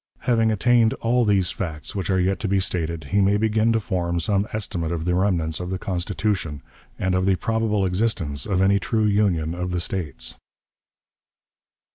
Having attained all these facts which are yet to be stated, he may begin to form some estimate of the remnants of the Constitution, and of the probable existence of any true union of the States.